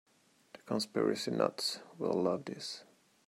The conspiracy nuts will love this.